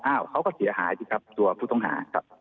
เขาก็เสียหายสิครับตัวผู้ต้องหาครับ